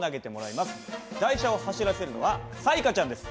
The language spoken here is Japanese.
台車を走らせるのは彩加ちゃんです。